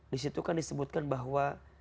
disitu kan disebutkan bahwa